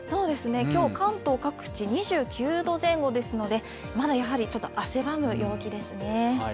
今日、関東各地、２９度前後ですのでまだ汗ばむ陽気ですね。